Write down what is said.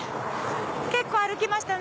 結構歩きましたね。